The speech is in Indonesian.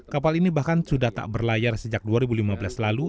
kapal ini bahkan sudah tak berlayar sejak dua ribu lima belas lalu